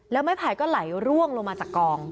แล้วไม้ไผ่ก็ไหลร่วงลงมาจากกอง